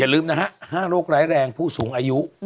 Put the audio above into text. ลืมนะฮะ๕โรคร้ายแรงผู้สูงอายุ